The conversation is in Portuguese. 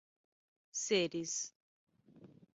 Ceres